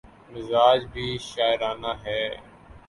مزاج بھی شاعرانہ ہے۔